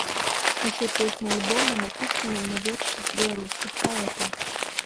Усе песні альбома напісаныя на вершы беларускіх паэтаў.